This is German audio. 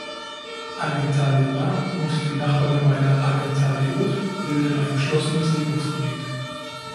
Hagenthal-le-Bas und die Nachbargemeinde Hagenthal-le-Haut bilden ein geschlossenes Siedlungsgebiet.